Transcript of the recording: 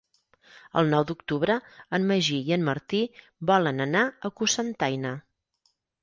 El nou d'octubre en Magí i en Martí volen anar a Cocentaina.